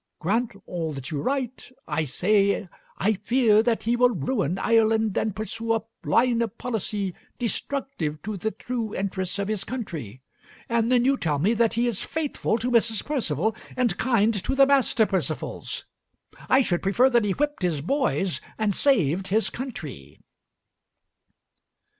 Grant all that you write I say, I fear that he will ruin Ireland, and pursue a line of policy destructive to the true interests of his country; and then you tell me that he is faithful to Mrs. Perceval and kind to the Master Percevals. I should prefer that he whipped his boys and saved his country."